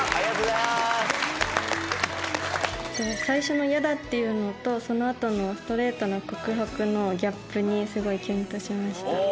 最初の「やだ！」っていうのとそのあとのストレートな告白のギャップにすごいキュンとしました。